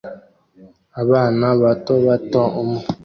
Abana bato bato umwe